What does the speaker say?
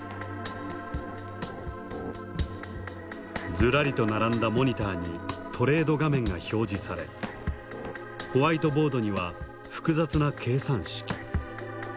ずらりと並んだモニターにトレード画面が表示されホワイトボードには複雑な計算式。